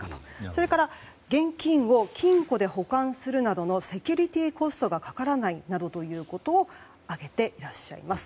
それから現金を金庫で保管するなどのセキュリティーコストがかからないなどということを挙げていらっしゃいます。